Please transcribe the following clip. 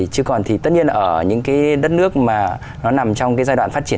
chứ còn thì tất nhiên ở những cái đất nước mà nó nằm trong cái giai đoạn phát triển